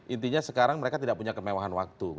intinya sekarang mereka tidak punya kemewahan waktu